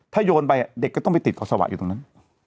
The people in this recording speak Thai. ถ้าโยนไปเด็กก็ต้องไปติดคอสวะอยู่ตรงนั้น